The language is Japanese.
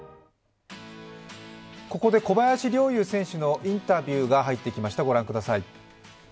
ここで小林陵侑選手のインタビューが入ってきました。